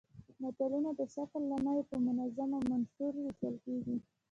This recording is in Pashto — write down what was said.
متلونه د شکل له مخې په منظوم او منثور ویشل کېږي